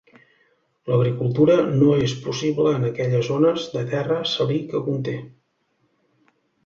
L'agricultura no és possible en aquelles zones de terra salí que conté.